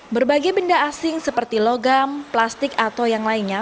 berbagai benda asing seperti logam plastik atau yang lainnya